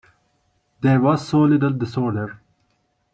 There was so little disorder.